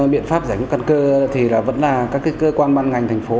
biện pháp giải quyết căn cơ thì vẫn là các cơ quan ban ngành thành phố